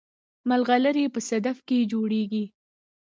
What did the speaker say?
ملغلرې په صدف کې جوړیږي